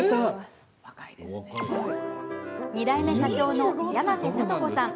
２代目社長の柳瀬聡子さん。